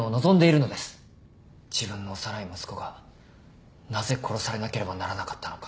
自分の幼い息子がなぜ殺されなければならなかったのか。